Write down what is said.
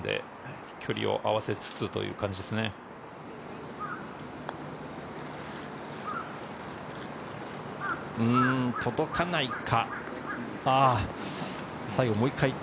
距離を合わせつつという届かないか。